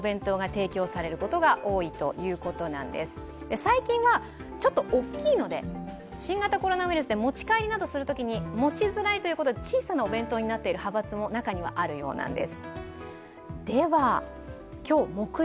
最近はちょっと大きいので、新型コロナウイルスで持ち帰りをするときに持ちづらいということで小さなお弁当になっている派閥も中にはあるようなんです。